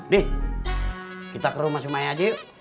dih kita ke rumah semuanya aja yuk